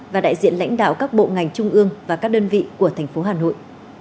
và đại diện lãnh đạo các bộ ngành trung ương và các đơn vị của thành phố hà nội